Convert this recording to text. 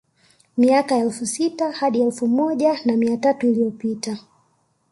Miaka elfu sita hadi elfu moja na mia tatu iliyopita